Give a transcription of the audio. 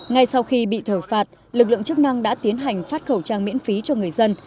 ngay sau khi bị thở phạt lực lượng chức năng đã tiến hành phát khẩu trang miễn phí cho người dân